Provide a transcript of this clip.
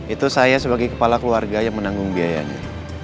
itu saya sebagai kepala keluarga yang menanggung biayanya